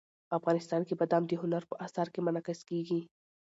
افغانستان کې بادام د هنر په اثار کې منعکس کېږي.